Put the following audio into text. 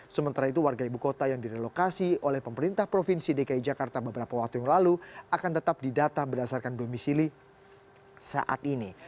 sementara itu warga ibu kota yang direlokasi oleh pemerintah provinsi dki jakarta beberapa waktu yang lalu akan tetap didata berdasarkan domisili saat ini